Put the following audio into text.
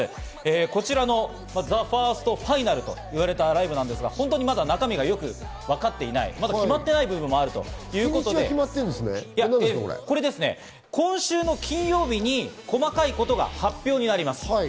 こちらのＴＨＥＦＩＲＳＴＦＩＮＡＬと言われたライブですが、まだ中身がよくわかっていない、決まっていない部分もあるということで、今週の金曜日に細かいことが発表になります。